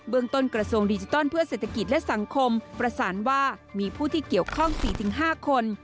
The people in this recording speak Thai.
เมืองต้นกระทรวงดิจิทัลเพื่อเศรษฐกิจและสังคมประสานว่ามีผู้ที่เกี่ยวข้อง๔๕คน